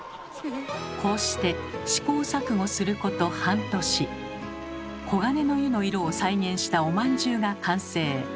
こうして試行錯誤すること半年「黄金の湯」の色を再現したおまんじゅうが完成。